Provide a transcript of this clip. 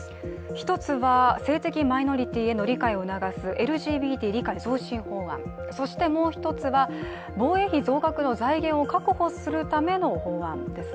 １つは性的マイノリティへの理解を促すＬＧＢＴ理解増進法案、そして、もう一つは防衛費増額の財源を確保するための法案です。